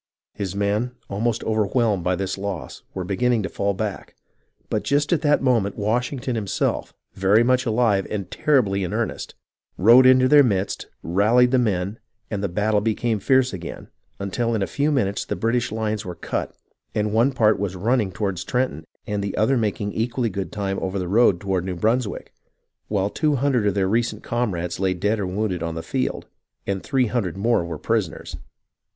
His men, almost overwhelmed by this loss, were beginning to fall back ; but just at that moment Washington himself, very much alive and terribly in earnest, rode into their midst, rallied the men, and the battle became fierce again, until in a few minutes the British lines were cut and one part was run ning toward Trenton and the other making equally good time over the road toward [New] Brunswick, while two hundred of their recent comrades lay dead or wounded on the field and three hundred more were prisoners.